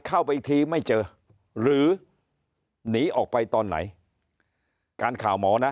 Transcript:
เข้าไปอีกทีไม่เจอหรือหนีออกไปตอนไหน